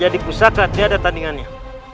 bisa jadi pusaka jika ada tandingannya